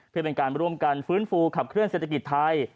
เพื่อเป็นการร่วมกันฟื้นฟูขับเคลื่อเศรษฐกิจไทย